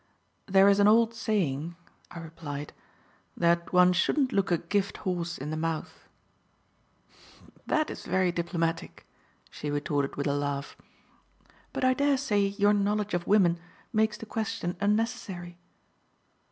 "There is an old saying," I replied, "that one shouldn't look a gift horse in the mouth." "That is very diplomatic," she retorted with a laugh. "But I daresay your knowledge of women makes the question unnecessary."